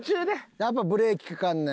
やっぱブレーキかかんねん。